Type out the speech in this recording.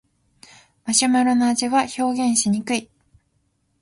マシュマロの味は表現しにくい